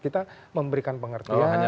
kita memberikan pengertian